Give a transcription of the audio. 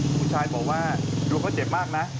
โทรศัพท์มาอย่าโทรให้